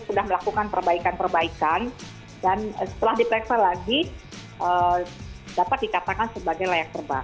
sudah melakukan perbaikan perbaikan dan setelah diperiksa lagi dapat dikatakan sebagai layak terbang